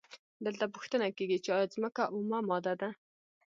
دلته پوښتنه کیږي چې ایا ځمکه اومه ماده ده؟